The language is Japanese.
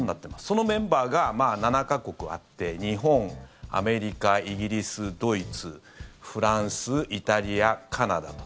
そのメンバーが７か国あって日本、アメリカイギリス、ドイツフランス、イタリア、カナダと。